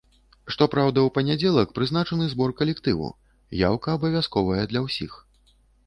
Што праўда, у панядзелак прызначаны збор калектыву, яўка абавязковая для ўсіх.